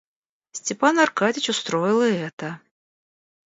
Степан Аркадьич устроил и это.